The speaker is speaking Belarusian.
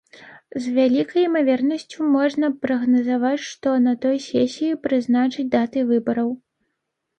З вялікай імавернасцю можна прагназаваць, што на той сесіі прызначаць дату выбараў.